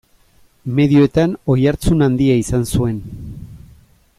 Medioetan oihartzun handia izan zuen.